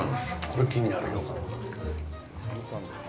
これ、気になるよ。